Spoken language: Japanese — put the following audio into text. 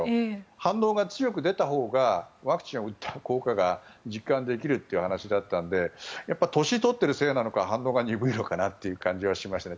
反応が強く出たほうがワクチンを打った効果が実感できるという話だったので年を取っているせいなのか反応が鈍いのかなっていう感じがしましたね。